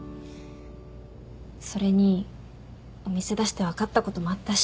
それにお店出して分かったこともあったし。